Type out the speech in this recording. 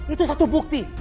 itu satu bukti